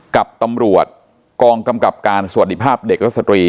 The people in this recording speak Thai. กับตำรวจกองกำกับการสวัสดีภาพเด็กและสตรี